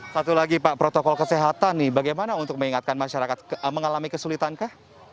satu lagi pak protokol kesehatan nih bagaimana untuk mengingatkan masyarakat mengalami kesulitankah